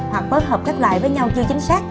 hoặc bất hợp các loại với nhau chưa chính xác